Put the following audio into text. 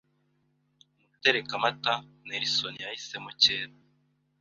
umutereka mata Nelson yahisemo cyera.